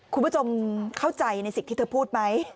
คุณผู้ชมเข้าใจในสิ่งที่เธอพูดไหม